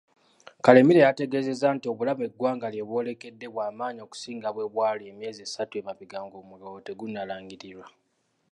Karemire yategeezezza nti obulabe eggwanga lyebwolekedde bwamaanyi okusinga bwebwali emyezi esatu emabega ng'omuggalo tegunnalangirirwa.